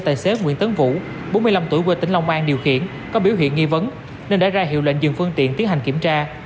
bốn mươi năm tuổi quê tỉnh long an điều khiển có biểu hiện nghi vấn nên đã ra hiệu lệnh dừng phương tiện tiến hành kiểm tra